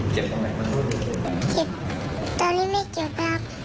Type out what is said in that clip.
เจ็บตอนนี้ไม่เจ็บแล้ว